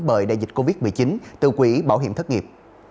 bởi đại dịch covid một mươi chín từ quỹ bảo hiểm thất nghiệp